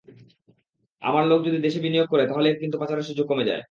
আমার লোক যদি দেশে বিনিয়োগ করে, তাহলেই কিন্তু পাচারের সুযোগ কমে যায়।